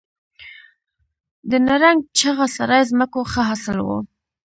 د نرنګ، چغه سرای ځمکو ښه حاصل و